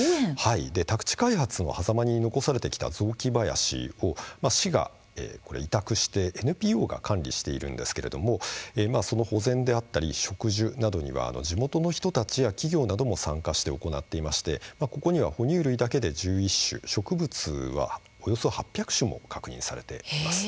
宅地開発のはざまに残されてきた雑木林を市が委託してＮＰＯが管理しているんですけれどもその保全であったり植樹などには地元の人たちや企業なども参加してもらっていてここには哺乳類だけで１１種類植物はおよそ８００種も確認されています。